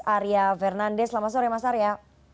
arya fernande selamat sore mas arya